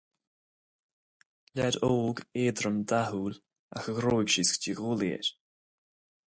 Leaid óg, éadrom, dathúil ach a ghruaig síos go dtí a ghuaillí air.